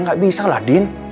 gak bisa lah din